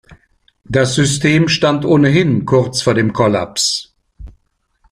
Das System stand ohnehin kurz vor dem Kollaps.